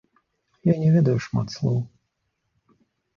Я не ведаю шмат слоў.